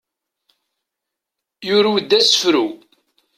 Yurew-d asefru.